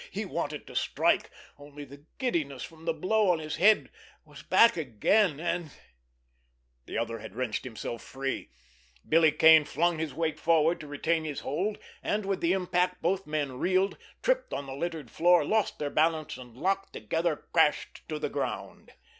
He wanted to strike, only the giddiness from the blow on his head was back again, and——. The other had wrenched himself free. Billy Kane flung his weight forward to retain his hold, and with the impact both men reeled, tripped on the littered floor, lost their balance, and, locked together, crashed to the ground.